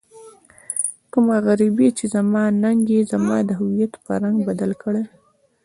کومه غريبي چې زما ننګ يې زما د هويت په رنګ بدل کړی.